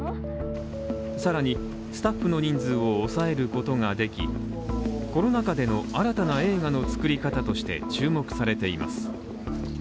さらにスタッフの人数を抑えることができるこの中での新たな映画の作り方として注目されています。